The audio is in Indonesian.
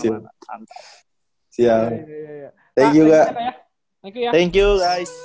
siap siap thank you kak thank you ya thank you guys